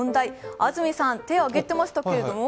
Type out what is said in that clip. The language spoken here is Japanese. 安住さん、手を挙げてましたけれども。